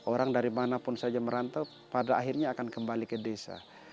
orang dari manapun saja merantau pada akhirnya akan kembali ke desa